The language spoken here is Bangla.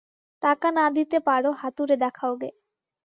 টাকা না দিতে পারো হাতুড়ে দেখাওগে।